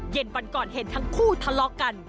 เย็นวันก่อนเห็นทั้งคู่ทะเลาะกัน